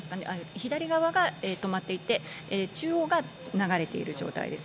左側が止まっていて中央が流れている状態です。